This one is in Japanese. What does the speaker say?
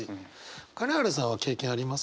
金原さんは経験あります？